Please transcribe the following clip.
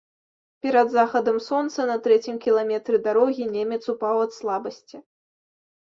Перад захадам сонца, на трэцім кіламетры дарогі, немец упаў ад слабасці.